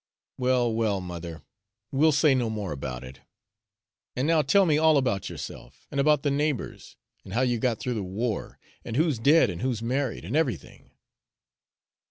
"Well, well, mother, we'll say no more about it. And now tell me all about yourself, and about the neighbors, and how you got through the war, and who's dead and who's married and everything."